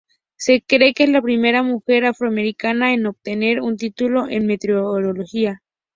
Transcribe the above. Se cree que es la primera mujer afroamericana en obtener un título en meteorología.